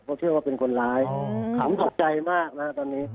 เขาเชื่อว่าเป็นคนร้ายผมสงสัยมากนะครับตอนนี้